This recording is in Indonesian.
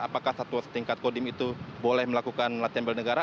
apakah satuan setingkat kodim itu boleh melakukan latihan bela negara